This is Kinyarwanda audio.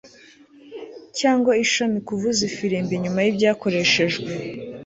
Cyangwa ishami kuvuza ifirimbi nyuma yibyakoreshejwe